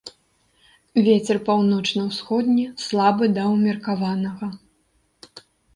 Вецер паўночна-ўсходні слабы да ўмеркаванага.